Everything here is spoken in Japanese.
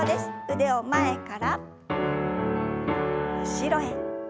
腕を前から後ろへ。